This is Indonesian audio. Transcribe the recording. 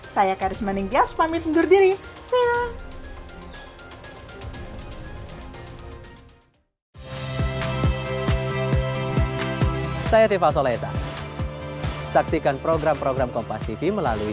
saya karisma ningkias pamit undur diri